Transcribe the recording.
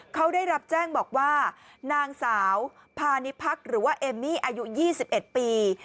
เขาได้รับแจ้งบอกว่านางสาวพานิพักษ์หรือว่าเอมมี่อายุ๒๑ปี